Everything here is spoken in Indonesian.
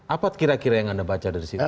apa kira kira yang anda baca dari situ